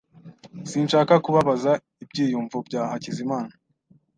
Sinshaka kubabaza ibyiyumvo bya Hakizimana .